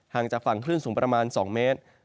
จากฝั่งคลื่นสูงประมาณ๒เมตร